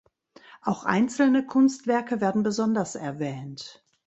Auch einzelne Kunstwerke werden besonders erwähnt.